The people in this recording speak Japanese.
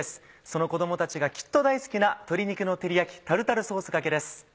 その子供たちがきっと大好きな「鶏肉の照り焼きタルタルソースがけ」です。